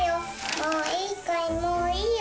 もういいかい、もういいよ。